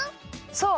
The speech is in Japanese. そう！